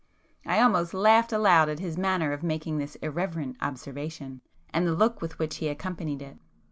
I almost laughed aloud at his manner of making this irreverent observation, and the look with which he accompanied it.